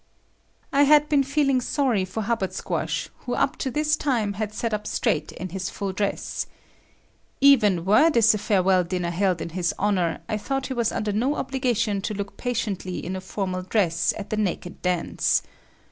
I had been feeling sorry for Hubbard Squash, who up to this time had sat up straight in his full dress. Even were this a farewell dinner held in his honor, I thought he was under no obligation to look patiently in a formal dress at the naked dance.